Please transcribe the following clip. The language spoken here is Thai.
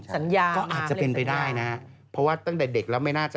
สัญญาก็อาจจะเป็นไปได้นะเพราะว่าตั้งแต่เด็กแล้วไม่น่าจะ